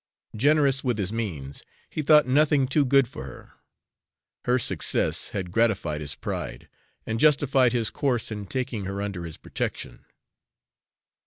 Generous with his means, he thought nothing too good for her. Her success had gratified his pride, and justified his course in taking her under his protection.